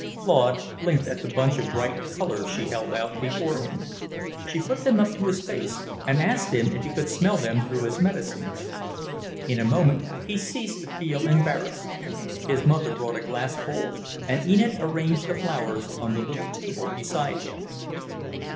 Claude blinked at the bunch of bright colours she held out before him. She put them up to his face and asked him if he could smell them through his medicines. In a moment he ceased to feel embarrassed. His mother brought a glass bowl, and Enid arranged the flowers on the little table beside him.